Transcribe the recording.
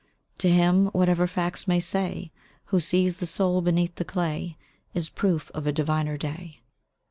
To him whatever facts may say Who sees the soul beneath the clay, Is proof of a diviner day.